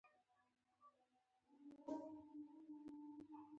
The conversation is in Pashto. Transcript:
اسلام به تر ابده پورې رښتینی دښمن پاتې وي.